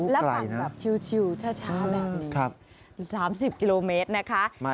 แล้วปั่นแบบชิวช้าแบบนี้๓๐กิโลเมตรนะคะ